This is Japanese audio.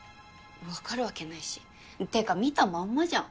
わかる訳ないしてか見たまんまじゃん。